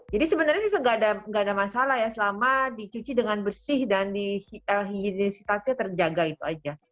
jadi sebenarnya sih gak ada masalah ya selama dicuci dengan bersih dan higienisitasnya terjaga itu aja